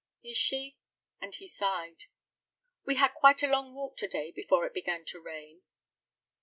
"Is she?" and he sighed. "We had quite a long walk to day before it began to rain."